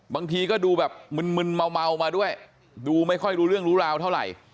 บางทีก็ดูแบบมึนเมามาด้วยดูไม่ค่อยรู้เรื่องรู้ราวเท่าไหร่